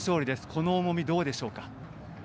この重みどうでしょうか？